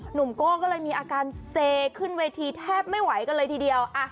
โก้ก็เลยมีอาการเซขึ้นเวทีแทบไม่ไหวกันเลยทีเดียว